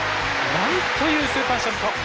なんというスーパーショット！